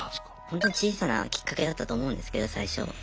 ほんとに小さなきっかけだったと思うんですけど最初。